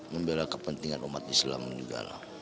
membela kepentingan umat islam juga lah